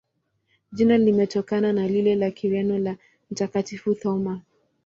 Jina limetokana na lile la Kireno la Mtakatifu Thoma.